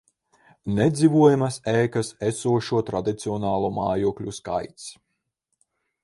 Nedzīvojamās ēkās esošo tradicionālo mājokļu skaits